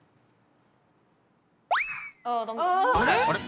あれ？